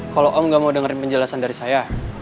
kalau om gak mau dengerin penjelasan dari saya